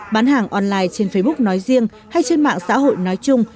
bán hàng online trên facebook nói riêng hay trên mạng xã hội nói chung